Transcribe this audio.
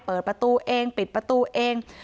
เปิดประตูเองปิดประตูเอง